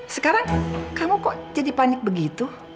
sekarang kamu kok jadi panik begitu